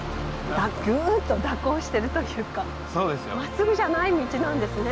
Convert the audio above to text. ぐっと蛇行してるというかまっすぐじゃない道なんですね。